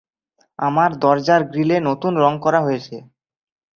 আমার দরজার গ্রিলে নতুন রং করা হয়েছে।